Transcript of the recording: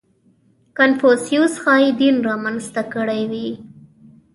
• کنفوسیوس ښایي دین را منځته کړی وي.